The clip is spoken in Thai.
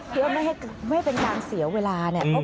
เพื่อนไม่ได้เป็นลามเสียวเวลาเนี่ย